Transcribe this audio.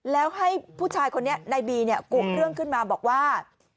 แล้วให้ผู้ชายคนนี้ในบีเนี่ยกุเรื่องขึ้นมาบอกว่า